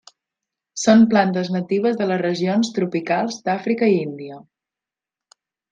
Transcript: Són plantes natives de les regions tropicals d'Àfrica i Índia.